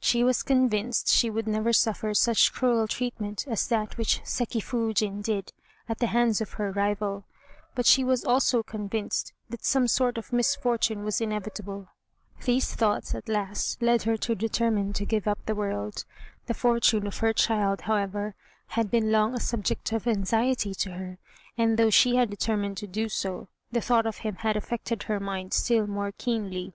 She was convinced she would never suffer such cruel treatment as that which Seki Foojin did at the hands of her rival, but she was also convinced that some sort of misfortune was inevitable. These thoughts at last led her to determine to give up the world. The fortune of her child, however, had been long a subject of anxiety to her; and though she had determined to do so, the thought of him had affected her mind still more keenly.